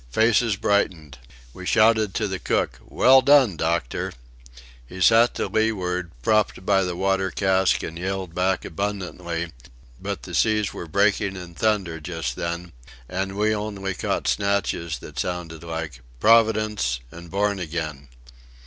Faces brightened. We shouted to the cook: "Well done, doctor!" He sat to leeward, propped by the water cask and yelled back abundantly, but the seas were breaking in thunder just then, and we only caught snatches that sounded like: "Providence" and "born again."